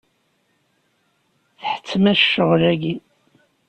Tḥettem-as ccɣel-agi.